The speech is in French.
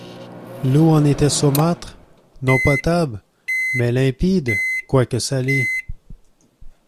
L’eau en était saumâtre, non potable, mais limpide, quoique salée.